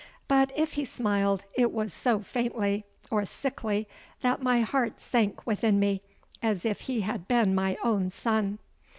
But if he smiled it was so faintly, or sickly, that my heart sank within me as if he had been my own son.